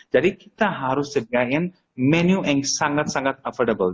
jadi kita harus sediakan menu yang sangat sangat affordable